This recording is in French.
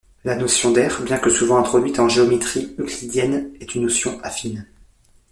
La notion d'aire, bien que souvent introduite en géométrie euclidienne, est une notion affine.